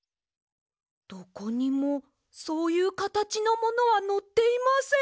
どこにもそういうかたちのものはのっていません。